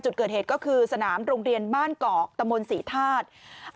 จุดเกิดเหตุก็คือสนามโรงเรียนบ้านเกาะตะมนต์ศรีธาตุ